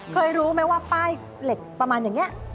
เคยรู้ไหมว่าป้ายเหล็กประมาณอย่างนี้